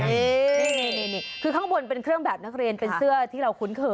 นี่คือข้างบนเป็นเครื่องแบบนักเรียนเป็นเสื้อที่เราคุ้นเคย